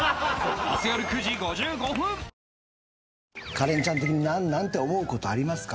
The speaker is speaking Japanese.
カレンちゃん的に「なんなん？」って思う事ありますか？